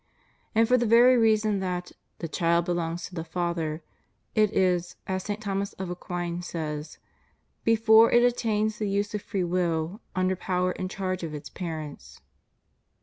And for the very reason that "the child belongs to the father," it is, as St. Thomas of Aquin says, "before it attains the use of free will, under power and charge of its parents."